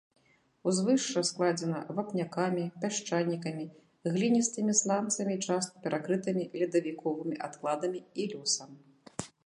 Узвышша складзена вапнякамі, пясчанікамі, гліністымі сланцамі часта перакрытымі ледавіковымі адкладамі і лёсам.